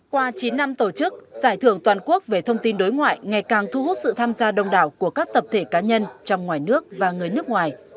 qua chín năm tổ chức giải thưởng toàn quốc về thông tin đối ngoại ngày càng thu hút sự tham gia đông đảo của các tập thể cá nhân trong ngoài nước và người nước ngoài